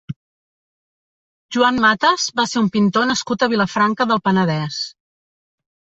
Joan Mates va ser un pintor nascut a Vilafranca del Penedès.